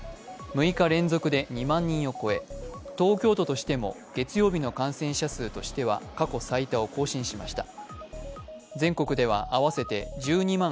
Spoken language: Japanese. ６日連続で２万人を超え東京都としても月曜日の感染者数としては過去最多を更新しました。